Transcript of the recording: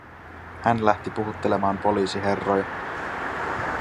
Hän lähti puhuttelemaan poliisiherroja.